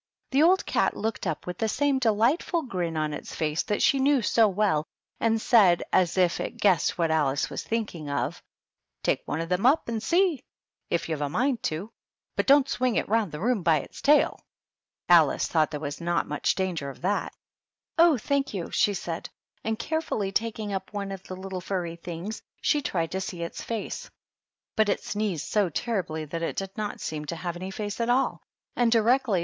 The old cat looked up with the same delightful grin on its face that she knew so well, and said, as if it guessed what Alice was thinking of, — "Take one of them up and see, if you've a mind to; but don't swing it round the room by its tail." Alice thought there was not much danger of that " Oh, thank you !" she said, and carefully taking up one of the little furry things, she tried to see its face, but it sneezed so terribly that it did not seem to have any face at all ; and directly.